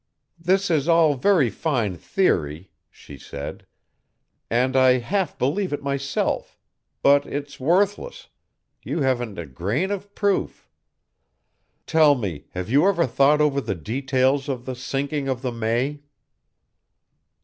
"This is all very fine theory," she said, "and I half believe it myself, but it's worthless; you haven't a grain of proof. Tell me, have you ever thought over the details of the sinking of the _May?